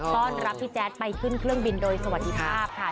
ต้อนรับพี่แจ๊ดไปขึ้นเครื่องบินโดยสวัสดีภาพค่ะ